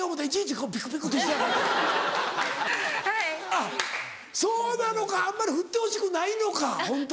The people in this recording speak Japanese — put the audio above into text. あっそうなのかあんまりふってほしくないのかホントは。